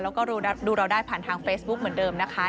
แล้วก็ดูเราได้ผ่านทางเฟซบุ๊กเหมือนเดิมนะคะ